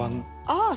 ああ！